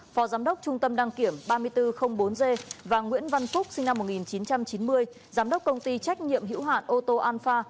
phó giám đốc trung tâm đăng kiểm ba nghìn bốn trăm linh bốn g và nguyễn văn phúc sinh năm một nghìn chín trăm chín mươi giám đốc công ty trách nhiệm hữu hạn ô tô anfa